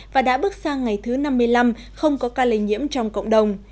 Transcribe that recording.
và đã bước sang ngày thứ năm mươi năm không có ca lây nhiễm trong cộng đồng